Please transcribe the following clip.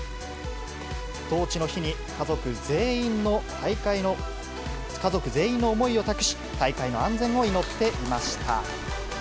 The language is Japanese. トーチの火に家族全員の思いを託し、大会の安全を祈っていました。